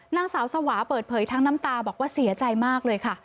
นางสาวสวาเปิดเผยทั้งน้ำตาบอกว่าเสียใจมากเลยค่ะ